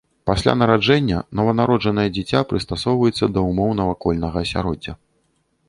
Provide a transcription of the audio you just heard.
Пасля нараджэння нованароджанае дзіця прыстасоўваецца да ўмоў навакольнага асяроддзя.